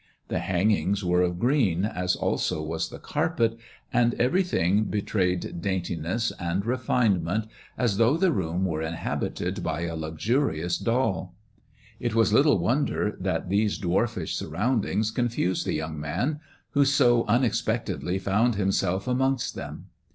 The hangings were of green, as also was the carpet, and THE dwakf's CHAHBER 29 BTerything betrayed daintiness and refinetnent, as thongli the room were inhabited by a luxurious doll. It was little *ODder that these dwarfish surroundings confused the young man who so unexpectedly found himself amongst ""em.